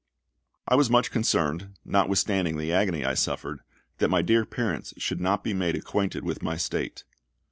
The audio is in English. I was much concerned, notwithstanding the agony I suffered, that my dear parents should not be made acquainted with my state.